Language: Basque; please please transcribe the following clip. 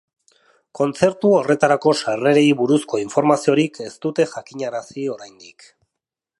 Kontzertu horretarako sarrerei buruzko informaziorik ez dute jakinarazi oraindik.